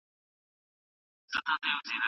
ښوونځي بې زده کوونکو نه وي.